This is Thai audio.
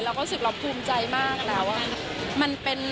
เราก็สิบรอบภูมิใจมากแล้วอะ